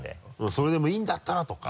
それでもいいんだったらとか。